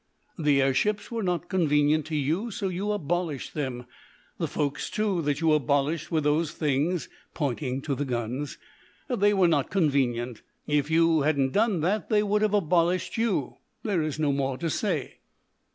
The air ships were not convenient to you, so you abolished them. The folk, too, that you abolished with those things," pointing to the guns, "they were not convenient. If you hadn't done that they would have abolished you. There is no more to say."